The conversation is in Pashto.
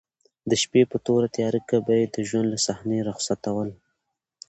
د شپې په توره تیاره کې به یې د ژوند له صحنې رخصتول.